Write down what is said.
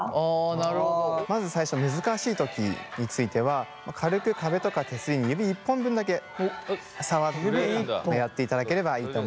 まず最初難しい時については軽く壁とか手すりに指１本分だけ触ってやっていただければいいと思います。